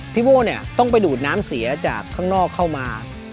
พี่โบ้จะต้องเสียจากข้างนอกเข้ามา